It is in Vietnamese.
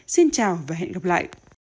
xin chào và hẹn gặp lại